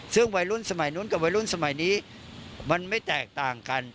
ซึ่งวัยรุ่นสมัยนู้นกับวัยรุ่นสมัยนี้มันไม่แตกต่างกัน